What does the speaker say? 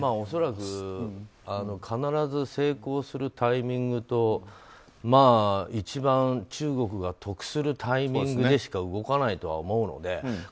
恐らく必ず成功するタイミングと一番中国が得するタイミングでしか動かないとは思うので。